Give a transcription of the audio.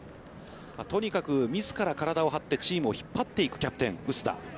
とにかくみずからから体を張ってチームを引っ張っていくキャプテン薄田。